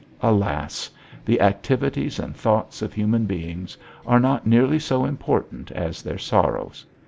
Alas! The activities and thoughts of human beings are not nearly so important as their sorrows!